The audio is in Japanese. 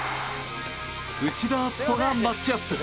内田篤人がマッチアップ。